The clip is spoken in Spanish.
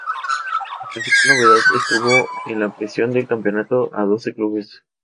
La principal novedad estuvo en la ampliación del campeonato a doce clubes.